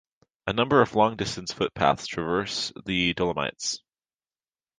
A number of long-distance footpaths traverse the Dolomites.